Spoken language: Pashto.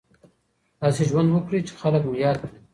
داسې ژوند وکړئ چې خلک مو یاد کړي.